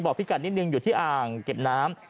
พี่กัดนิดนึงอยู่ที่อ่างเก็บน้ำ